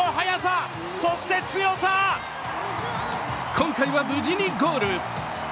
今回は無事にゴール。